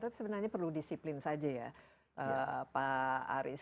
tapi sebenarnya perlu disiplin saja ya pak aris